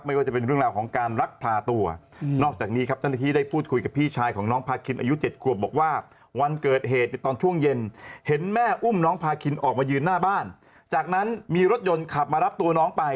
ไม่ว่าจะเป็นเรื่องราวของการรักพาตัว